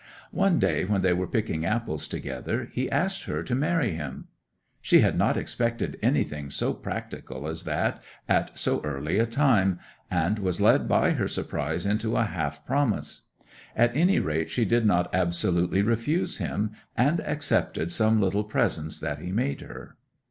'One day when they were picking apples together, he asked her to marry him. She had not expected anything so practical as that at so early a time, and was led by her surprise into a half promise; at any rate she did not absolutely refuse him, and accepted some little presents that he made her.